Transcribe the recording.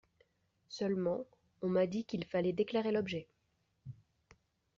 Seulement, on m’a dit qu’il fallait déclarer l’objet !…